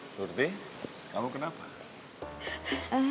surti kamu kenapa